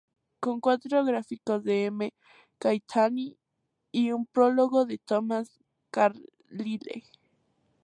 Con cuatro gráficos de M. Gaetani y un prólogo de Tomás Carlyle".